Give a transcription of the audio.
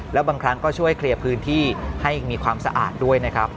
แล้วบางครั้งก็ช่วยเคลียร์พื้นที่ให้มีความสะอาดด้วยนะครับ